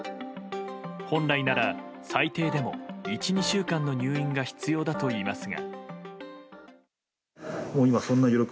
本来なら、最低でも１２週間の入院が必要だといいますが。